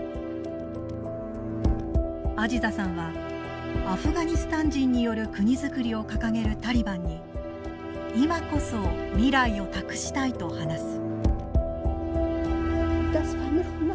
アジザさんはアフガニスタン人による国づくりを掲げるタリバンに今こそ未来を託したいと話す。